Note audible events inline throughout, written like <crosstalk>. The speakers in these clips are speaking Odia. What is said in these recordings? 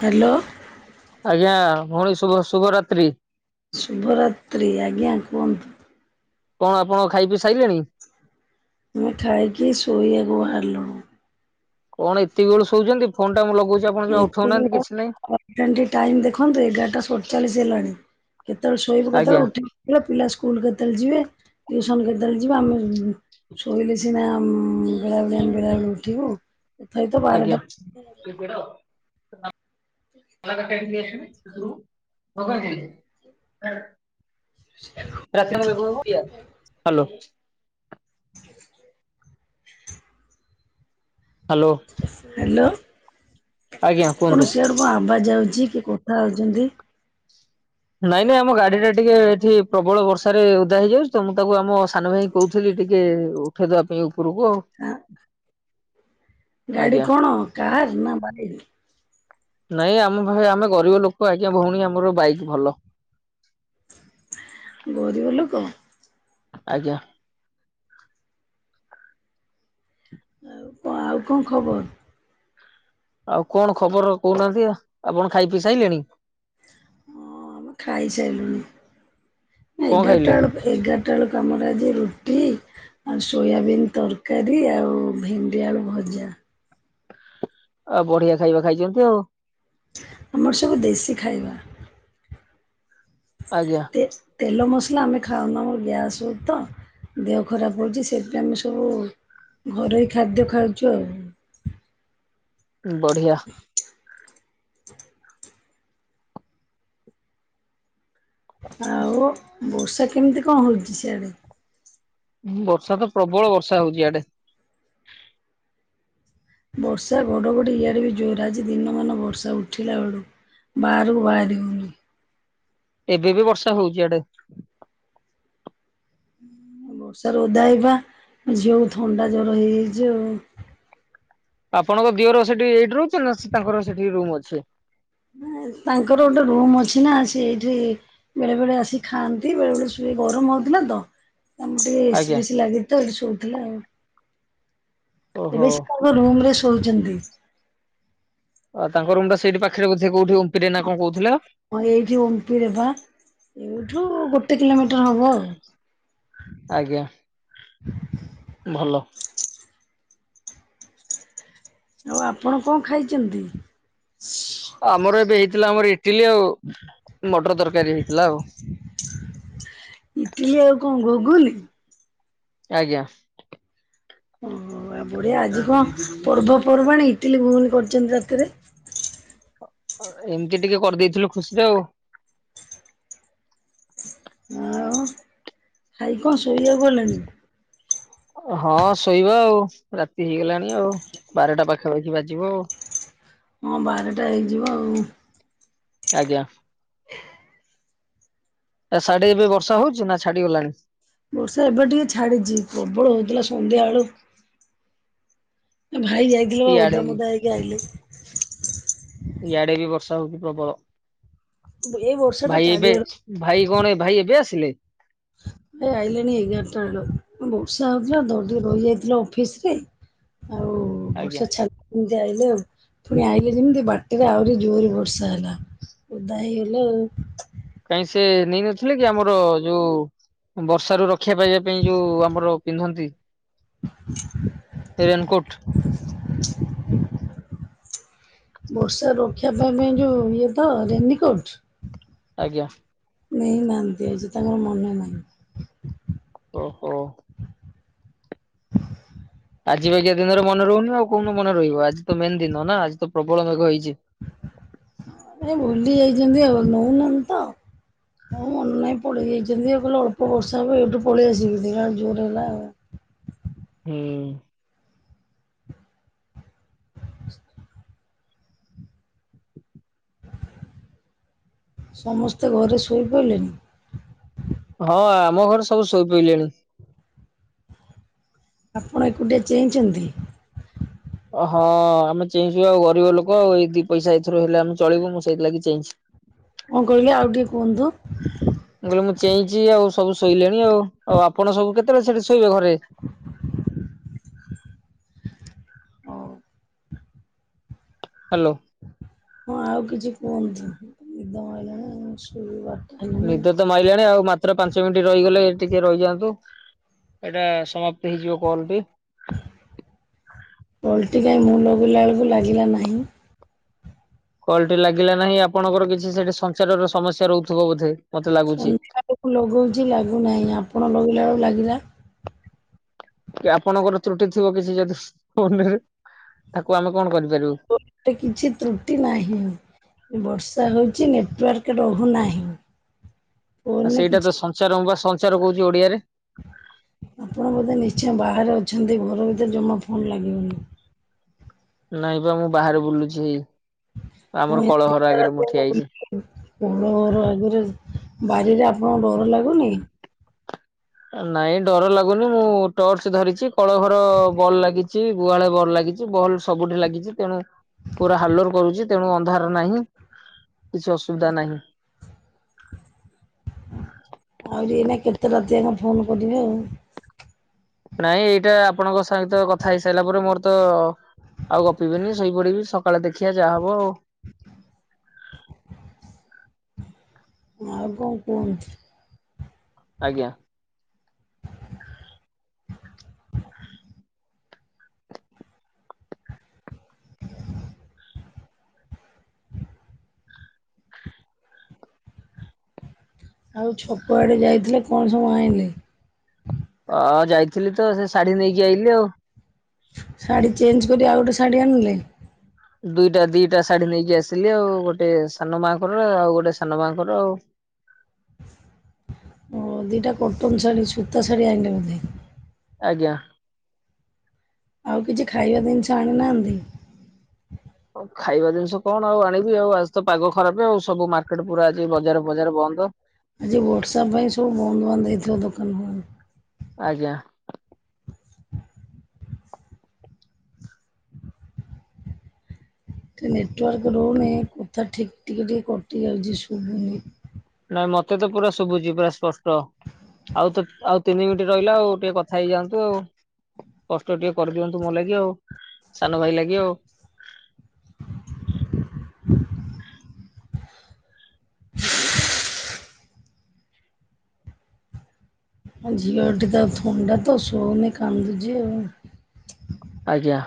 ହ୍ୟାଲୋ। ଆଜ୍ଞା, ଭଉଣୀ ଶୁଭ ଶୁଭରାତ୍ରି। ଶୁଭରାତ୍ରି, ଆଜ୍ଞା କୁହନ୍ତୁ। କଣ ଆପଣ ଖାଇ ପିଇ ସାଇଲେଣି? ମୁଁ ଖାଇକି ଶୋଇଆକୁ ବାହାରୁଲୁଣୁ। କଣ ଏତିକି ବେଳୁ ଶୋଉଛନ୍ତି, ଫୋନଟା ମୁଁ ଲଗଉଛି ଆପଣ ଜମା ଉଠଉ ନାହାନ୍ତି କିଛି ନାହିଁ। ଆଜ୍ଞା ଟିକେ ଟାଇମ୍ ଦେଖନ୍ତୁ ଏଗାରଟା ସତଚାଳିଶ ହେଲାଣି କେତେବେଳେ ଶୋଇବୁ କେତେବେଳେ ଆଜ୍ଞା ଉଠିବୁ। <inaudible> ପିଲା ସ୍କୁଲ କେତେବେଳେ ଯିବେ ଟ୍ୟୁସନ କେତେବେଳେ ଯିବେ ଆମେ ‌ଉଁ-ଉଁ-ଉଁ ଶୋଇଲେ ସିନା ଉଁ-ଉଁ-ଉଁ ବେଳାବେଳି‌ ଆମେ ବେଳାବେଳି ଉଠିବୁ। ତଥାପି ତ ବାରଟା ଆଜ୍ଞା। ଅଗ ଟିବେଶରେ ସେରୁ ଭଗବଦନ୍ତି <unintelligible> ହ୍ୟାଲୋ। ହ୍ୟାଲୋ। ହ୍ୟାଲୋ, ଆଜ୍ଞା କୁହନ୍ତୁ। କଣ ସେଆଡ଼ୁ କଣ ଆବାଜ୍ ଆଉଛି କିଏ କଥା ହଉଛନ୍ତି। ନାଇଁ-ନାଇଁ ଆମ ଗାଡିଟା ଟିକେ ଏଠି ପ୍ରବଳ ବର୍ଷାରେ ଓଦା ହେଇଯାଉଛି ତ ମୁଁ ତାକୁ ଆମ ସାନ ଭାଇକୁ କହୁଥିଲି ଟିକେ ଉଠେଇ ଦବା ପାଇଁ ଉପରକୁ ଆଉ। ଗାଡି ଆଜ୍ଞା। କଣ କାର୍ ନା ବାଇକ୍? ନାଇଁ ଆମେ ଭାଇ ଆମେ ଗରିବ ଲୋକ ଆଜ୍ଞା ଭଉଣୀ ଆମର ବାଇକ୍ ଭଲ। ଗରିବ ଲୋକ? ଆଜ୍ଞା। ଆଉ କଣ ଆଉ କଣ ଖବର? ଆଉ କଣ ଖବର କହୁନାହାନ୍ତି, ଆପଣ ଖାଇ ପିଇ ସାଇଲେଣି? ହଁ ମ ଖାଇସାରିଲୁଣି, ନା କଣ ଏଗାରଟା ଖାଇଲେ ବେଳକୁ ଏଗାରଟା ବେଳକୁ ଆମର ଆଜି ରୁଟି ଆଉ ସୋୟାବିନ୍ ତରକାରୀ ଆଉ ଭେଣ୍ଡି ଆଳୁ ଭଜା। ଆଉ ବଢିଆ ଖାଇବା ଖାଇଛନ୍ତି ଆଉ। ଆମର ସବୁ ଦେଶୀ ଖାଇବା। ଆଜ୍ଞା। ତେ ତେଲ ମସଲା ଆମେ ଖାଉନ ଆମର ଗ୍ୟାସ ହେଉଛି ତ। ଦେହ ଖରାପ ହେଉଛି ସେଥିପାଇଁ ଆମେ ସବୁ ଘରୋଇ ଖାଦ୍ୟ ଖାଉଛୁ ଆଉ। ବଢିଆ ଆଉ ବର୍ଷା କେମିତି କଣ ହଉଛି ସେଆଡେ? ବର୍ଷା ତ ପ୍ରବଳ ବର୍ଷା ହଉଛି ଏଆଡେ। ବର୍ଷା ଘଡ଼ଘଡି ଇଆଡ ବି ଜୋର ଆଜି ଦିନମାନ ବର୍ଷା ଉଠିଲା ବେଳୁ। ବାରୁ ବାହାରି ହଉନି। ଏବେ ବି ବର୍ଷା ହଉଛି ଆଡେ। ବର୍ଷା ର ଓଦା ହେଇ ପା ଝିଅକୁ ଥଣ୍ଡା ଜ୍ବର ହେଇଯାଇଛି ଆଉ। ଆପଣଙ୍କ ଦିଅର ସେଠି ଏଇଠ ରହୁଛି ନା ତାଙ୍କର ସେଠି ରୁମ୍ ଅଛି। ତାଙ୍କର ଗୋଟେ ରୁମ ଅଛି ନା ସେଇଠି ବେଳେ ବେଳେ ଆସି ଖାଆନ୍ତି ବେଳେ ବେଳେ ଶୁ ଗରମ ହଉଥିଲା ତ। ଆମ ଟିକେ ଏସି ଆଜ୍ଞା ଫେସି ଲାଗି ତ ଏଠି ଶଉଥିଲା ଆଉ ଓହୋ। ବେଶ ରୁମରେ ଶୋଇଛନ୍ତି। ଆ ତାଙ୍କ ରୁମ ଟା ସେଇଠି ପାଖରେ ବୋଧେ କୋଉଠି ଓପରେ ନା କଣ କହୁଥିଲେ? ହଁ ଏଇଠି ଓପେରେ ପା ଏଇଠୁ ଗୋଟେ କିଲୋମିଟର ହବ ଆଉ। ଆଜ୍ଞା ଭଲ ଆଉ ଆପଣ କଣ ଖାଇଛନ୍ତି? ଆମର ଏବେ ହେଇଥିଲା ଆମର ଇଟିଲି ଆଉ ମଟର ତରକାରୀ ହେଇଥିଲା ଆଉ। ଇଟିଲି ଆଉ କଣ ଘୁଗୁନି? ଆଜ୍ଞା ଓ ବଢିଆ ଆଜି କଣ ପର୍ବପର୍ବାଣିୀ ଇଟିଲି ଘୁଗୁନି କରିଛନ୍ତି ରାତିରେ? ଏମିତି ଟିକେ କରିଦେଇଥିଲୁ ଖୁସିରେ ଆଉ। ଆଉ ଖାଇ କଣ ଶୋଇବାକୁ ଗଲେଣି? ହଁ ଶୋଇବା ଆଉ ରାତି ହେଇଗଲାଣି ଆଉ ବାରଟା ପାଖାପାଖି ବାଜିବ ଆଉ। ହଁ ବାରଟା ହେଇଯିବ ଆଉ। ଆଜ୍ଞା ଏ ସାଡେ ଏବେ ବର୍ଷା ହଉଛି ନା ଛାଡିଗଲାଣି? ବର୍ଷା ଏବେ ଟିକେ ଛାଡିଚି ପ୍ରବଳ ହଉଥିଲା ସନ୍ଧ୍ୟାବେଳୁ। ଭାଇ ଯାଇଥିଲ ବା ଇଆଡେ ଓଦା ବି? ମୁଦା ହେଇକି ଆଇଲେ। ଇଆଡେ ବି ବର୍ଷା ହଉଛି ପ୍ରବଳ ଏଇ ବର୍ଷା ଟା ଭାଇ ଏବେ ଚାରିଆଡୁ ଭାଇ କଣ ଭାଇ ଏବେ ଆସିଲେ? ଏ ଆଇଲେଣି ଏଗାରଟା ବେଳୁ ବର୍ଷା ହଉଥିଲା ତ ଟିକେ ରହିଯାଇଥିଲେ ଅଫିସ ରେ। ଆଉ ଆଜ୍ଞା ବର୍ଷା ଛା ଏମତି ଆଇଲେ ଆଉ ପୁଣି ଆଇିଲ ଯେମିତି ବାଟରେ ଆହୁରି ଜୋର ବର୍ଷା ହେଲା। ଓଦା ହେଇଗଲେ ଆଉ। କାଇହିଁ ସେ ନେଇନଥିଲେ କି ଆମର ଯୋଉ ବର୍ଷାରୁ ରକ୍ଷା ପାଇବା ପାଇଁ ଯୋଉ ଆମର ପିନ୍ଧନ୍ତି <inaudible> ରେନକୋଟ୍ ବର୍ଷା ରୋକିବା ପାଇଁ ପାଇଁ ଯୋଉ ଇଏ ତ ରେନିକୋଟ? ଆଜ୍ଞା। ନେଇ ନାହାନ୍ତି ଆଜି ତାଙ୍କର ମନେ ନାହିଁ। ଓହୋ। ଆଜି ବାକିଆ ଦିନରେ ମନେ ରହୁନି ଆଉ କୋଉନୁ ମନେ ରହିବ ଆଜି ତ ମେନ୍ ଦିନ ନା ଆଜି ତ ପ୍ରବଳ ମେଘ ହେଇଛି। ଏ ଭୁଲି ଯାଇଛନ୍ତି ଆଉ, ନଉନାହାଁନ୍ତି ତ! ହଉ, ମନ ନାହିଁ ପଳେଇ ଯାଇଛନ୍ତି। ଆଉ କହିଲେ ଅଳ୍ପ ବର୍ଷା ହବ, ଏଇଠୁ ପଳେଇ ଆସିବି। ଦେଖିଲା ବେଳକୁ ଜୋର୍ ହେଲା-ଆ। ହୁଁ। <inaudible> ସମସ୍ତେ ଘରେ ଶୋଇ ପଇଲେନି? ହ, ଆମ ଘରେ ସବୁ ଶୋଇ ପଇଲେଣି। ଆପଣ ଏକୁଟିଆ ଚେଇଁଚନ୍ତି? ହଁ, ଆମେ ଚେଇଁଚୁ ଆଉ। ଗରିବ ଲୋକ ଆଉ ଏଇ ଦି ପଇସା ଏଇଥିରୁ ହେଲେ ଆମେ ଚଳିବୁ, ମୁଁ ସେଇଥିଲାଗି ଚେଇଁଚି। କଣ କହିଲେ ଆଉ ଟିକେ କୁହନ୍ତୁ? ମୁଁ, କହିଲି ମୁଁ ଚେଇଁଚି ଆଉ, ସବୁ ଶୋଇଲେଣି ଆଉ। ଆଉ, ଆପଣ ସବୁ କେତେବେଳେ ସେଠି ଶୋଇବେ ଘରେ? ହ୍ୟାଲୋ। ହଁ, ଆଉ କିଛି କୁହନ୍ତୁ? ନିଦ ମାଇଲାଣି ଶୋଇବା। ନିଦ ତ ମାଇଲାଣି ଆଉ। ମାତ୍ର ପାଞ୍ଚ ମିନ୍ଟି ରହିଗଲେ ଟିକେ, ରହିଯାଆନ୍ତୁ। ଏଇଟା ସମାପ୍ତ ହେଇଯିବ କଲ୍ ଟି। କଲ୍ଟିି କାଇଁ, ମୁଁ ଲଗେଇଲା ଅଳକୁ ଲାଗିଲା ନାହିଁ? କଲ୍ଟି ଲାଗିଲା ନାହିଁ, ଆପଣଙ୍କର କିଛି ସେଠି ସଂଚାରର ସମସ୍ୟା ରହୁଥୁବ ବୋଧେ, ମତେ ଲାଗୁଛି। ମୁଁ ଲଗଉଛି ଲାଗୁନାହିଁ। ଆପଣ ଲଗେଇଲା ଅଳୁ ଲାଗିଲା। କି ଆପଣଙ୍କର ତ୍ରୁଟି ଥିବ କିଛି ଯଦି ଫୋନ୍ ରେ, ତାକୁ ଆମେ କଣ କରିପାରିବୁ? କିିଛି ତ୍ରୁଟି ନାହିଁ। ବର୍ଷା ହଉଛି, ନେଟୱାର୍କ ରହୁନାହିଁ। ଆଉ ଫୋନରେ ସେଇଟା କିଛି ତ ସଞ୍ଚାର, ମୁଁ ବା ସଞ୍ଚାର କହୁଛି ଓଡିଆରେ। ଆପଣ ବୋଧେ ନିଶ୍ଚୟ ବାହାରେ ଅଛନ୍ତି! ଘର ଭିତରେ ଜମା ଫୋନ୍ ଲାଗିବନି। ନାଇଁ ବା, ମୁଁ ବାହାରେ ବୁଲୁଛି। ଆମର କଳଘର ଆଗରେ ମୁଁ ଠିଆ ହେଇଛି। କୋଳ ଘର ଆଗରେ, ବାରିରେ ଆପଣଙ୍କୁ ଡର ଲାଗୁନି? ନାଇଁ, ଡର ଲାଗୁନି। ମୁଁ ଟର୍ଚ୍ଚ ଧରିଚି, କଳଘର ବଲ୍ ଲାଗି ଚି। ଗୁହାଳେ ବଲ୍ ଲାଗିଚି, ବଲ୍ ସବୁଠି ଲାଗିଚି ତେଣୁ ପୁରା ହାଲୋର କରୁଛି, ତେଣୁ ଅନ୍ଧାର ନାହିଁ, କିଛି ଅସୁବିଧା ନାହିଁ। ଆହୁରି ଏଇନା କେତେ ରାତିଆଁକେ ଫୋନ୍ କରିବେ ଆଉ? ନାଇଁ, ଏଇଟା ଆପଣଙ୍କ ସହିତ କଥା ହେଇସାଇଲା ପରେ, ମୋର ତ ଆଉ ଗପିବିନି। ଶୋଇ ପଡିବି, ସକାଳେ ଦେଖିଆ ଯାହା ହବ ଆଉ। ଆଉ କଣ କୁହନ୍ତୁ? ଆଜ୍ଞା। ଆଉ ଛକଆଡ଼େ ଯାଇଥିଲେ, କଣ ସବୁ ଆଇଁଲେ? ଅ ଯାଇଥିଲି ତ, ସେ ଶାଢୀ ନେଇକି ଆଇଲିି ଆଉ। ଶାଢ଼ୀ ଚେଞ୍ଜ୍ କରି, ଆଉ ଗୋଟେ ଶାଢ଼ୀ ଆଣିଲେ? ଦୁଇଟା ଦିଟା ଶାଢୀ ନେଇକି ଆସିଲି ଆଉ। ଗୋଟେ ସାନ ମାଙ୍କର, ଆଉ ଗୋଟେ ସାନ ମାଙ୍କର ଆଉ। ହଁ, ଦିଟା କଟନ୍ ଶାଢ଼ୀ ସୁତା ଶାଢ଼ୀ ଆଇଁଲେ ବୋଧେ! ଆଜ୍ଞା। ଆଉ କିଛି ଖାଇବା ଦିନିଷ ଆଣିନାହାଁନ୍ତି? ଆଉ ଖାଇବା ଜିନିଷ କଣ ଆଉ ଆଣିବି? ଆଉ ଆଜି ତ ପାଗ ଖରାପ ଆଉ ସବୁ ମାର୍କେଟ ପୁରା, ଆଜି ବଜାର ଫଜାର ବନ୍ଦ। ଆଜି ବର୍ଷା ପାଇଁ ସବୁ ବନ୍ଦ ବାନ୍ଦ ହେଇଥିବ, ଦୋକାନ ଫୋକାନ। ଆଜ୍ଞା। ଟିକେ ନେଟୱାର୍କ ରହୁନି। କଥା ଠିକ୍ ଟିକେ ଟିକେ କଟି ଯାଉଛି, ଶୁଭୁନି। ନାଇଁ, ମତେ ତ ପୁରା ଶୁଭୁଛି, ପୁରା ସ୍ପଷ୍ଟ। ଆଉ ତ ଆଉ ତିନି ମିନିଟ ରହିଲା ଆଉ ଟିକେ କଥା ହେଇଯାଆନ୍ତୁ ଆଉ। କଷ୍ଟ ଟିକେ କରିଦିଅନ୍ତୁ ମୋ ଲାଗି ଆଉ ସାନ ଭାଇ ଲାଗି ଆଉ। ଝଟି ତ ଥଣ୍ଡା ତ ସଉନଁ କାନ୍ଦୁଚି ଆଉ। ଆଜ୍ଞା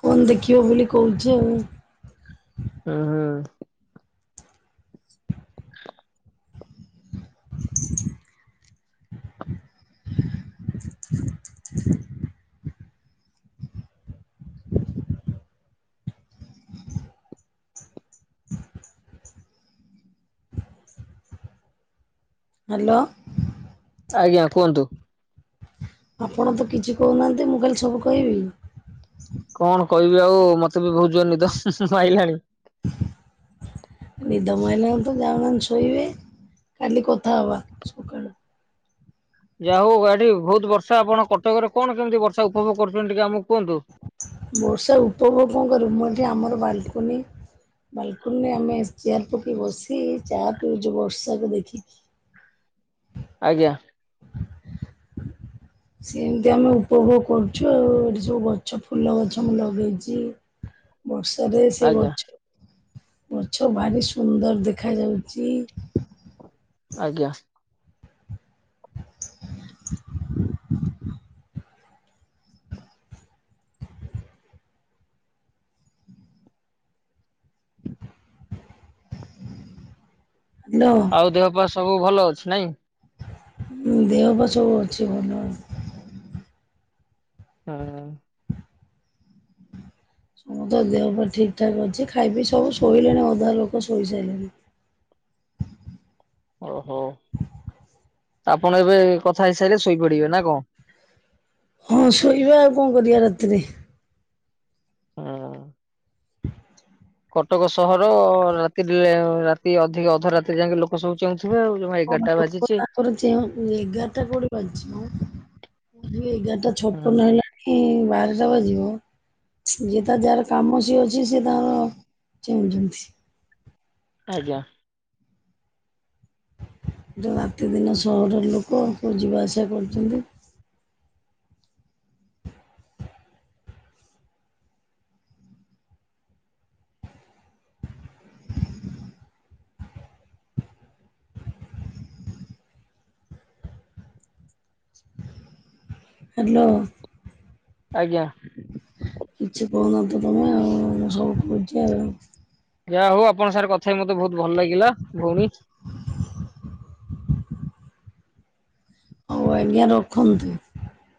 ଫୋନ ଦେଖିବ ବୋଲି କହୁଛି ଆଉ। ହୁଁ ହୁଁ ହ ହ୍ୟାଲୋ ଆଜ୍ଞା କୁହନ୍ତୁ। ଆପଣ ତ କିଛି କହୁନାହାନ୍ତି ମୁଁ କାଲି ସବୁ କହିବି। କଣ କହିବି ଆଉ ମତେ ବି ବହୁତଯୋର ନିଦ ମାଇଲାଣି। ନିଦ ମାଇଲାଣି ତ ଯାଉନାହାନ୍ତି ବେ ଶୋଇବେ କାଲି କଥା ହବା। ସକାଳୁ। ଯାହା ହଉ ଗାଢି ବହୁତ ବର୍ଷା ଆପଣ କ୍ଟକରେ କଣ କେମିତି ବର୍ଷା ଉପଭୋଗ କରୁଛନ୍ତି ଟିକେ ଆମକୁ କୁହନ୍ତୁ। ବର୍ଷା ଉପଭୋଗଙ୍କ ମୁଁ ଏଠି ଆମର ବାଲକୁନି। ବାଲକୁନରେ ଆମେ ଚେୟାର ପକେଇ ବସି ଚା ପିଉଛୁ ବର୍ଷାକୁ ଦେଖିିକି। ଆଜ୍ଞା। ସେମିତି ଆମେ ଉପଭୋଗ କରୁଛୁ ଆଉ ଏଠି ସବୁ ଗଛ ଫୁଲ ଗଛ ମୁଁ ଲଗେଇଛି ହଁ ବର୍ଷାରେ ସେ ଗଛ ଗଛ ଭାରି ସୁନ୍ଦର ଦେଖାଯାଉଛି। ଆଜ୍ଞା ହ ହାଲୋ ଆଉ ଦେହ ପା ସବୁ ଭଲ ଅଛି ନାଇଁ। ଦେହ ପା ସବୁ ଅଛି ଭଲ। ହଁ ସମ ତ ଦେହ ପା ଠିକ ଠାକ୍ ଅଛି ଖାଇ ପିଇ ସବୁ ଶୋଇଲେଣି ଅଧା ଲୋକ ଶୋଇ ସାଇଲେଣି। ଓହୋ ଆପଣ ଏବେ କଥା ହେଇସାରିଲେ ଶୋଇପଡିବେ ନା କଣ? ହଁ ଶୋଇବା ଆଉ କଣ କରିବା ରାତିରେ। ହଁ କଟକ ସହର ରାତି ରାତି ଅଧିକ ଅଧ ରାତିରେ ଯାଇକି ଲୋକ ସବୁ ଚେଉଥିବେ ଆଉ ଜମା କଣ ଏଗାରଟା ଲୋକ ବାଜିଛି। ତାଙ୍କର ଏଗାରଟା କଉଠି ବାଜିଛି ମ ଏଗାରଟା ହୁଁ ଛପନ ହେଲା ହଁ ବାରଟା ବାଜିବ। ଯିଏ ତ ଯାହାର କାମ ସିଏ ଅଛି ସେ ତାର ଚେହୁଁଛନ୍ତି। ଆଜ୍ଞା। ରାତିଦିନ ସହରର ଲୋକ ଯିବା ଆସିବା କରୁଛନ୍ତି। ହ୍ୟାଲୋ ଆଜ୍ଞା କିଛି କହୁନାହା ତ ତମେ ଆଉ ମୁଁ ସବୁ କହୁଛି ଆଉ। ଯା ହଉ ଆପଣ ସାର୍ କଥା ହ ମତେ ବହୁତ ଭଲ ଲାଗିଲା ଭଉଣୀ। ହଉ ଆଜ୍ଞା ରଖନ୍ତୁ।